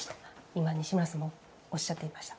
今、西村さんもおっしゃっていました